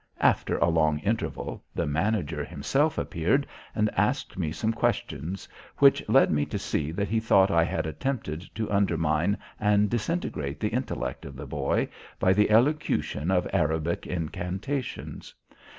After a long interval, the manager himself appeared and asked me some questions which led me to see that he thought I had attempted to undermine and disintegrate the intellect of the boy, by the elocution of Arabic incantations.